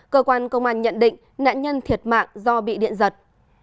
cơ quan công an nhận định nạn nhân thiệt mạng do bị điện giật